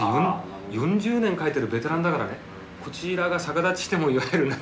４０年描いてるベテランだからねこちらが逆立ちしてもいわゆる何て言うんだろう？